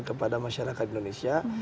kepada masyarakat indonesia